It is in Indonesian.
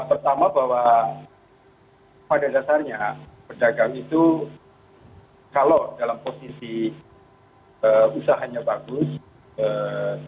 pertama bahwa pada dasarnya pedagang itu kalau dalam posisi usahanya bagus